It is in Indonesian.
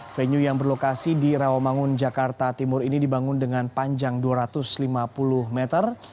venue yang berlokasi di rawamangun jakarta timur ini dibangun dengan panjang dua ratus lima puluh meter